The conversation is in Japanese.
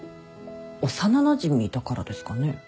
幼なじみだからですかね？